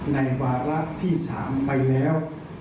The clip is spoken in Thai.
วาระที่๓ไปแล้ว